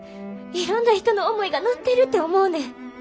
いろんな人の思いが乗ってるて思うねん。